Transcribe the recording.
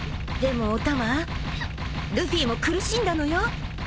でもお玉ルフィも苦しんだのよ。